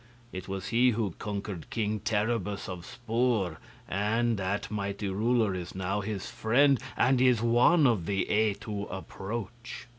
It was he who conquered King Terribus of Spor, and that mighty ruler is now his friend, and is one of the eight who approach."